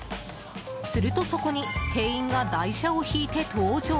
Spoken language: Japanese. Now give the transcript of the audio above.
すると、そこに店員が台車を引いて登場。